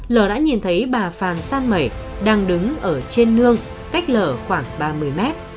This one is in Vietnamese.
lở đã nhìn thấy bà phan san mẩy đang đứng ở trên nương cách lở khoảng ba mươi m